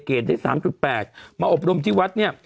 ได้๓๘มาอบรมที่วัดเนี่ย